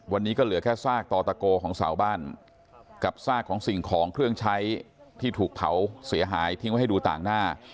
วันนี้ก็เหลือแค่ซากต่อตะโกของเสาบ้านกับซากของสิ่งของเครื่องใช้ที่ถูกเผาเสียหายทิ้งไว้ให้ดูต่างหน้า